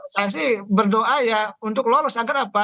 saya sih berdoa ya untuk lolos agar apa